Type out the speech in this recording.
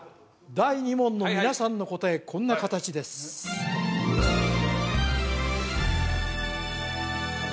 第２問の皆さんの答えこんな形ですねえ